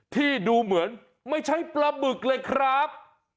ที่ดูเหมือนไม่ใช่ปลาบึกเลยครับ